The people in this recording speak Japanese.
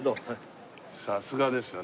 さすがですよね。